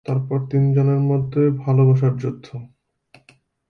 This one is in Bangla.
তারপর তিন জনের মধ্যে ভালবাসার যুদ্ধ।